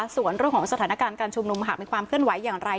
ส่วนเรื่องของสถานการณ์การชุมนุมหากมีความเคลื่อนไหวอย่างไร